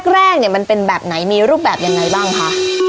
แรกเนี่ยมันเป็นแบบไหนมีรูปแบบยังไงบ้างคะ